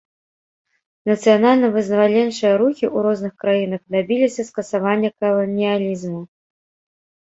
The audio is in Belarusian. Нацыянальна-вызваленчыя рухі ў розных краінах дабіліся скасавання каланіялізму.